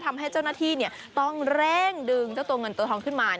ทำให้เจ้าหน้าที่ต้องเร่งดึงเจ้าตัวเงินตัวทองขึ้นมา